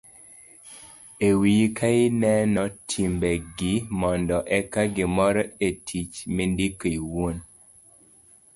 e wiyi ka ineno timbegi mondo eka gimori e tich mindiko iwuon